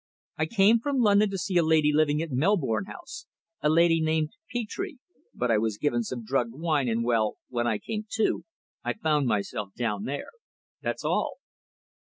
"I came from London to see a lady living at Melbourne House. A lady named Petre but I was given some drugged wine, and well, when I came to I found myself down there. That's all."